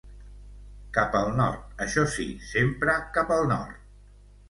Cap al nord, això sí, sempre cap al nord.